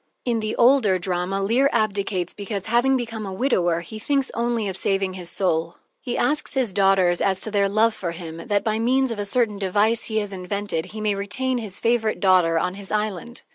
In the older drama, Leir abdicates because, having become a widower, he thinks only of saving his soul. He asks his daughters as to their love for him that, by means of a certain device he has invented, he may retain his favorite daughter on his island.